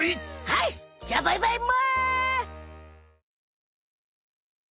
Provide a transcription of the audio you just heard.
はいじゃあバイバイむ！